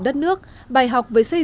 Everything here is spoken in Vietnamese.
dân chủ công bằng văn minh